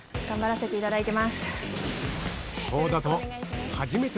頑張らせていただいてます。